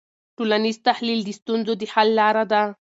ټولنیز تحلیل د ستونزو د حل لاره ده.